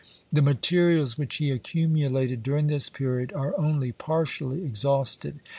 The materials which he accumulated during this period are only partially exhausted.